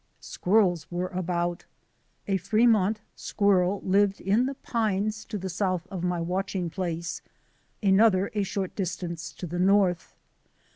Squirrels were about. A Fremont squirrel lived in the pines to the south of my watching place, another a short distance to the north.